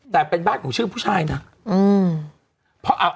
แต่เป็นบ้านของชื่อผู้ชายนะ